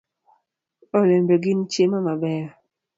Olembe gin chiemo mabeyo .